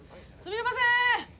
すみません！